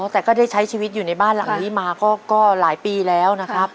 แต่ก็ได้ใช้ชีวิตอยู่ในบ้านหลังนี้มาก็หลายปีแล้วนะครับ